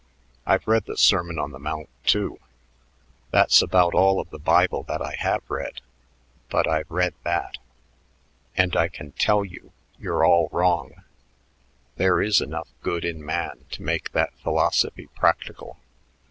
I've read the Sermon on the Mount, too. That's about all of the Bible that I have read, but I've read that; and I tell you you're all wrong. There is enough good in man to make that philosophy practical.